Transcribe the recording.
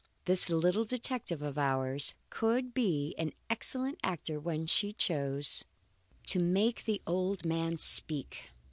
This little detective of ours could be an excellent actor when she chose. III To make the old man speak!